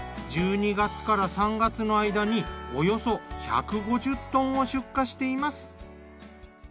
１２月から３月の間におよそ１５０トンを出荷しています。